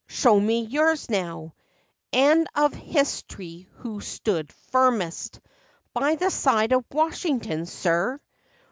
show me yours, now ; Ask of hist'ry who stood firmest By the side of Washington, sir